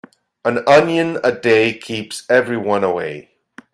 An onion a day keeps everyone away.